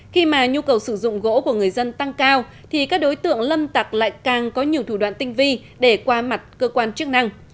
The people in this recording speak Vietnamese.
khi mà nhu cầu sử dụng gỗ của người dân tăng cao thì các đối tượng lâm tặc lại càng có nhiều thủ đoạn tinh vi để qua mặt cơ quan chức năng